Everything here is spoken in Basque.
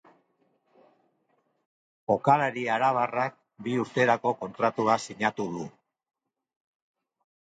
Jokalari arabarrak bi urterako kontratua sinatu du.